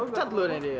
pecat lu nih dia